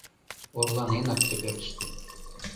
Орланенак ты пӧртыштӧ